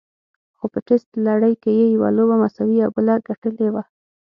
خو په ټېسټ لړۍ کې یې یوه لوبه مساوي او بله ګټلې وه.